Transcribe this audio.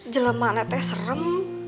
jelaman teh serem